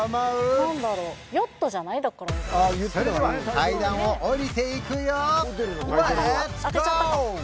それでは階段を下りていくよレッツゴー！